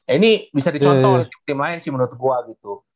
ini bisa dicontoh oleh tim lain sih menurut gue gitu